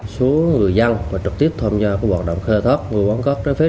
số người dân và trực tiếp thông gia của bộ động khai thác mua bán cát trái phép